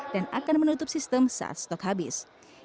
dan akan menutup sistem saat stok habis